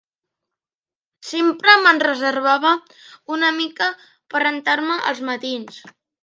Sempre me'n reservava una mica per rentar-me als matins